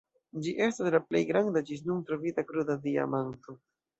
Ĝi estas la plej granda ĝis nun trovita kruda diamanto.